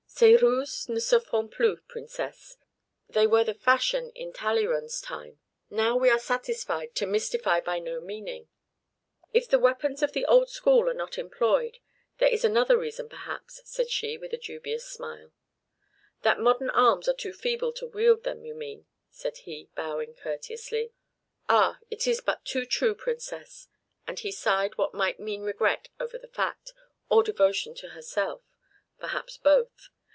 "Ces ruses ne se font plus, Princess, they were the fashion in Talleyrand's time; now we are satisfied to mystify by no meaning." "If the weapons of the old school are not employed, there is another reason, perhaps," said she, with a dubious smile. "That modern arms are too feeble to wield them, you mean," said he, bowing courteously. "Ah! it is but too true, Princess;" and he sighed what might mean regret over the fact, or devotion to herself, perhaps both.